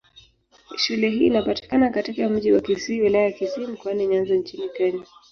Shule hii inapatikana katika Mji wa Kisii, Wilaya ya Kisii, Mkoani Nyanza nchini Kenya.